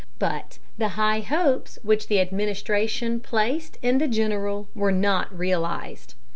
But the high hopes which the administration placed in the general were not realized.